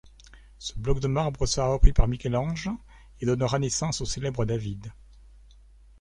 Ce bloc de marbre sera repris par Michel-Ange et donnera naissance au célèbre David.